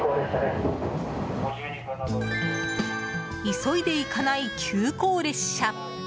急いで行かない急行列車。